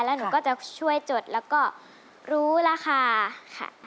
แล้วหนูก็จะช่วยจดแล้วก็รู้ราคาค่ะ